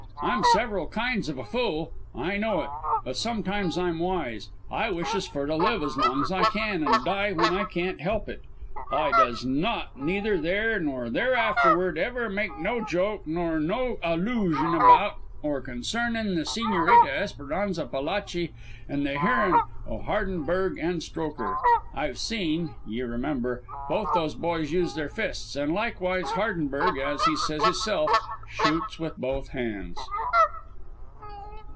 "I'm several kinds of a fool; I know it. But sometimes I'm wise. I wishes for to live as long as I can, an' die when I can't help it. I does not, neither there, nor thereafterward, ever make no joke, nor yet no alloosion about, or concerning the Sigñorita Esperanza Palachi in the hearin' o' Hardenberg an' Strokher. I've seen (ye remember) both those boys use their fists an' likewise Hardenberg, as he says hisself, shoots with both hands."